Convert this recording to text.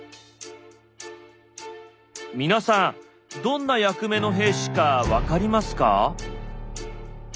皆さんどんな役目の兵士か分かりますか？